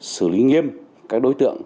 xử lý nghiêm các đối tượng